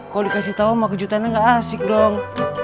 kalo dikasih tau mah kejutan gak asik dong